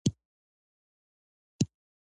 ولوله او ستا رب ډېر مهربان دى.